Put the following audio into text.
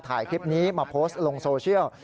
ถ่ายคลิปนี้มาโพสต์ลงโซเชียล